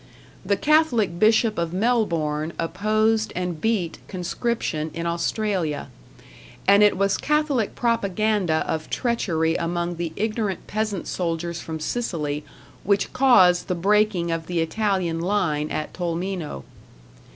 The Catholic Bishop of Melbourne opposed and beat conscription in Australia, and it was Catholic propaganda of treachery among the ignorant peasant soldiers from Sicily which caused the breaking of the Italian line at Tolmino.